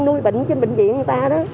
nuôi bệnh trên bệnh viện người ta đó